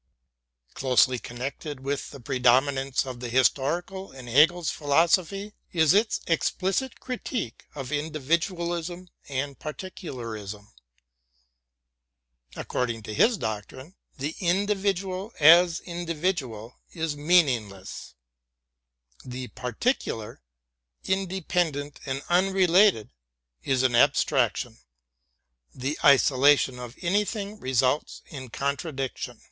Closely connected with the predominance of the historical in Hegel's philosophy is its explicit critique of individualism and particularism. According to his doc trine, the individual as individual is meaningless. The par ticular— independent and unrelated — is an abstraction. The isolation of anything results in contradiction.